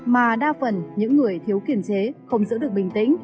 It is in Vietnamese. mà đa phần những người thiếu kiểm chế không giữ được bình tĩnh